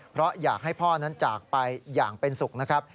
เพราะอยากให้พ่อนั้นจากไปอย่างเป็นสุขนะครับ